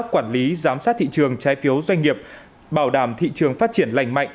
quản lý giám sát thị trường trái phiếu doanh nghiệp bảo đảm thị trường phát triển lành mạnh